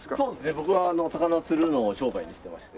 僕はあの魚釣るのを商売にしてまして。